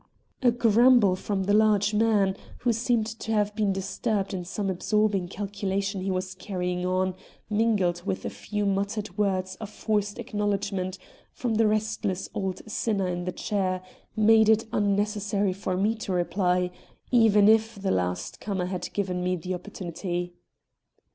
A grumble from the large man, who seemed to have been disturbed in some absorbing calculation he was carrying on, mingled with a few muttered words of forced acknowledgment from the restless old sinner in the chair, made it unnecessary for me to reply, even if the last comer had given me the opportunity.